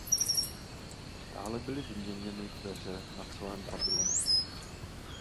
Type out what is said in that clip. Dále byly vyměněny dveře na celém pavilonu.